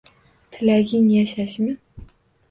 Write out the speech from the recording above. Tilaging yashashmi?!